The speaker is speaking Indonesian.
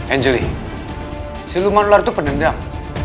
angeli siluman ular itu penendang